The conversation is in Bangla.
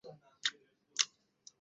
আপনি পা উঠিয়ে আরাম করে বসুন।